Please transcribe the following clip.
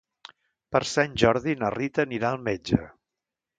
Per Sant Jordi na Rita anirà al metge.